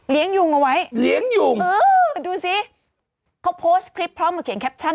เลี้ยงยุงเอาไว้เออดูสิเขาโพสต์คลิปพร้อมเขียนแคปชั่น